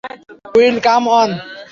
Will, come on.